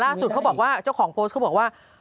เขาบอกว่าเจ้าของโพสต์เขาบอกว่า